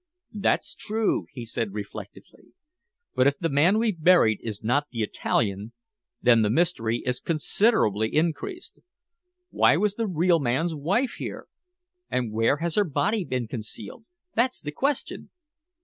"That's true," he said reflectively. "But if the man we've buried is not the Italian, then the mystery is considerably increased. Why was the real man's wife here?" "And where has her body been concealed? That's the question."